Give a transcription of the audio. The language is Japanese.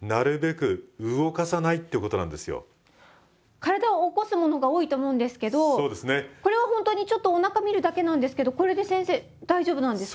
体を起こすものが多いと思うんですけどこれは本当にちょっとおなか見るだけなんですけどこれで先生大丈夫なんですか？